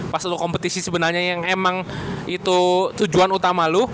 pas lu kompetisi sebenernya yang emang itu tujuan utama lu